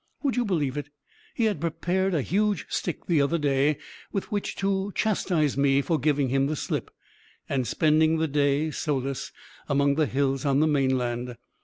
Would you believe it? he had prepared a huge stick, the other day, with which to chastise me for giving him the slip, and spending the day, solus, among the hills on the main land.